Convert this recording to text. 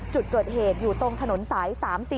จุดเกิดเหตุอยู่ตรงถนนสาย๓๔